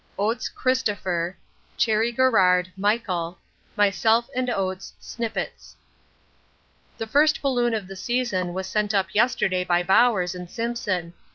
Oates Christopher. Cherry Garrard Michael. Myself & Oates Snippets. The first balloon of the season was sent up yesterday by Bowers and Simpson.